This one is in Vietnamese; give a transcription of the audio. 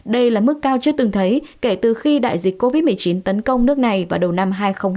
đây là mức cao chưa từng thấy kể từ khi đại dịch covid một mươi chín tấn công nước này vào đầu năm hai nghìn hai mươi